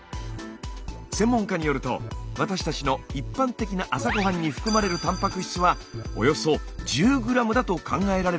専門家によると私たちの一般的な朝ごはんに含まれるたんぱく質はおよそ１０ｇだと考えられるそうです。